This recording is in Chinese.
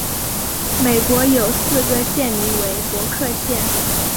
美国有四个县名为伯克县。